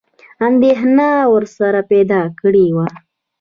انېدښنه ورسره پیدا کړې وه.